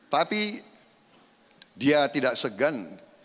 tapi dia tidak segan